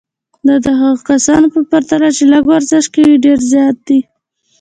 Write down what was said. دا د هغو کسانو په پرتله چې لږ ورزش کوي ډېر زیات دی.